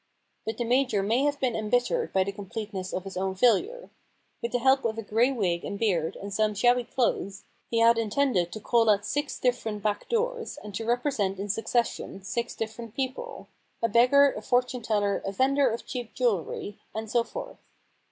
But the Major may have been embittered by the completeness of his own failure. With the help of a gray wig and beard and some shabby clothes, he had intended to call at six different back doors and to represent in succession six different people — a beggar, a fortune teller, a vendor of cheap jewellery, and so forth.